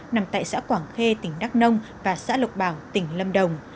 nằm tại xã quảng khê tỉnh đắk nông và xã lộc bảo tỉnh lâm đồng